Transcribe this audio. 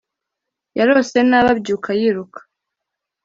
yarose nabi abyuka yiruka